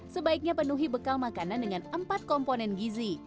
sebaiknya penuhi bekal makanan dengan empat komponen gizi